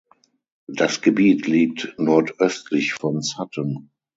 Das Gebiet liegt nordöstlich von Sutton.